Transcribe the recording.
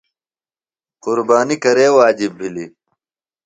قُربانی کرے واجب بِھلیۡ ؟